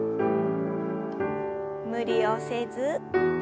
無理をせず。